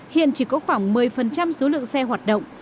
hiện chỉ có khoảng một mươi số lượng xe hoạt động